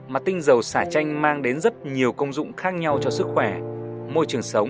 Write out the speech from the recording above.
mà tinh dầu sả chanh mang đến rất nhiều công dụng khác nhau cho sức khỏe môi trường sống